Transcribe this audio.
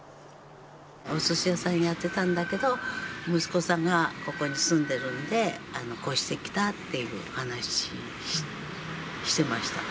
おすし屋さんやってたんだけど、息子さんがここに住んでるんで、越してきたという話ししてました。